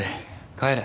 帰れ！